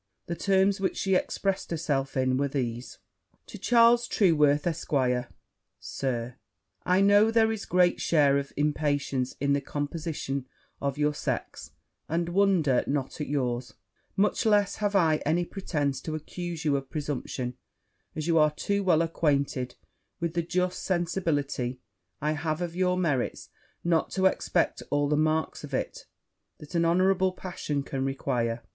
The terms in which she expressed herself were these. 'To Charles Trueworth, Esq. Sir, I know there is a great share of impatience in the composition of your sex, and wonder not at yours much less have I any pretence to excuse you of presumption, as you are too well acquainted with the just sensibility I have of your merits not to expect all the marks of it that an honourable passion can require.